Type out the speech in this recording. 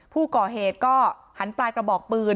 ผู้ก่อเหตุก็หันปลายกระบอกปืน